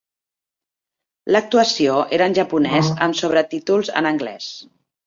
L'actuació era en japonès amb sobretítols en anglès.